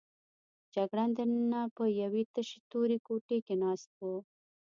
جګړن دننه په یوې تشې تورې کوټې کې ناست و.